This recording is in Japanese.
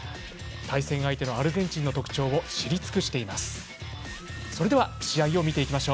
対戦相手のアルゼンチンの特徴を知り尽くしています。